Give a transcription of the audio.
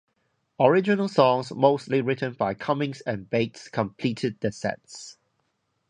Original songs, mostly written by Cummings and Bates, completed their sets.